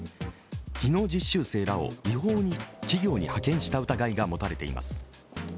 技能実習生らを違法に企業に派遣した疑いが持たれています。